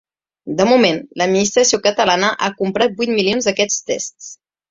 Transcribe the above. De moment l’administració catalana ha comprat vuit milions d’aquests tests.